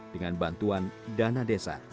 dengan bantuan dana desa